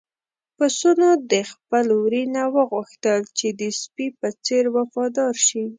پسونو د خپل وري نه وغوښتل چې د سپي په څېر وفادار شي.